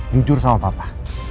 jujur sama papa